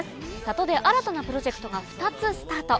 里で新たなプロジェクトが２つスタート。